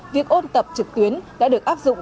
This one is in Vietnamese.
việc ôn tập trực tuyến đã được áp dụng